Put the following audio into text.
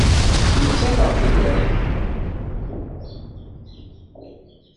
Ttmettateɣ fell-ak.